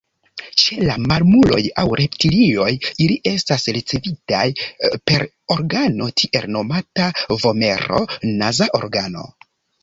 Ĉe la mamuloj aŭ reptilioj, ili estas ricevitaj per organo tiel nomata vomero-naza organo.